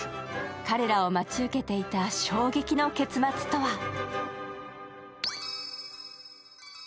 彼らを待ち受けていた衝撃の結末とは。